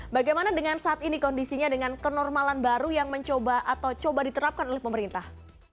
bagaimana dengan saat ini kondisinya dengan kenormalan baru yang mencoba atau coba diterapkan oleh pemerintah